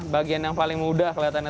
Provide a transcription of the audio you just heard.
bagian yang paling mudah kelihatannya